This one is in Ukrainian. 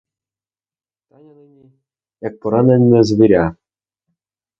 Таня нині — як поранене звіря.